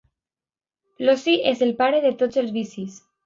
L'oci és el pare de tots els vicis.